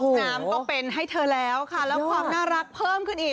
น้ำก็เป็นให้เธอแล้วค่ะแล้วความน่ารักเพิ่มขึ้นอีก